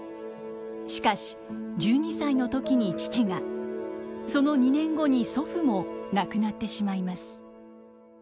しかし１２歳の時に父がその２年後に祖父も亡くなってしまいます。